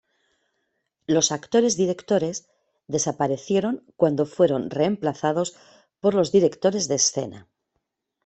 Los "actores-directores" desaparecieron cuando fueron reemplazados por los directores de escena.